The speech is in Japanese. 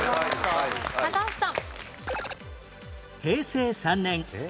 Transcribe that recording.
高橋さん。